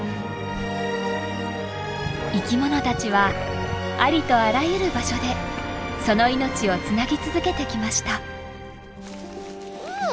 生きものたちはありとあらゆる場所でその命をつなぎ続けてきました。